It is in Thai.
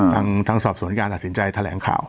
ทางสอบสวนการตัดสินใจแถลงข่าว